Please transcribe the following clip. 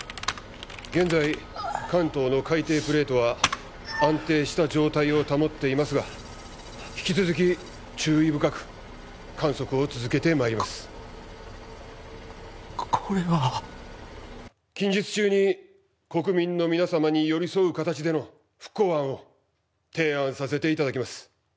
現在関東の海底プレートは安定した状態を保っていますが引き続き注意深く観測を続けてまいりますここれは近日中に国民の皆さまに寄り添う形での復興案を提案させていただきます